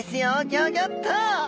ギョギョッと！